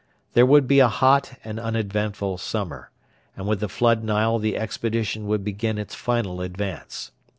There would be a hot and uneventful summer, and with the flood Nile the expedition would begin its final advance.